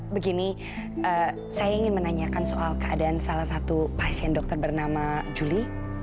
begini saya ingin menanyakan soal keadaan salah satu pasien dokter bernama juli